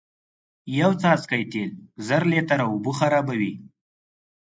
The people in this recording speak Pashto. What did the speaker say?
یو څاڅکی تیل زر لیتره اوبه خرابوی